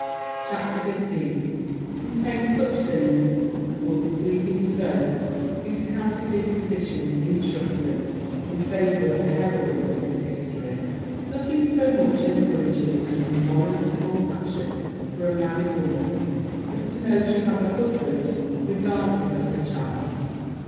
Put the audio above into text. CHAPTER XV _Contains such things as will be pleasing to those whose candid dispositions interest them in favour of the heroine of this history_ Nothing so much encourages an unwarrantable passion for a married woman, as to know she has a husband regardless of her charms.